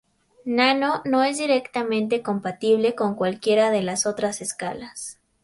Nano no es directamente compatible con cualquiera de las otras escalas.